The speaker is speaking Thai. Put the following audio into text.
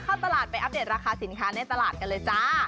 เข้าตลาดไปอัปเดตราคาสินค้าในตลาดกันเลยจ้า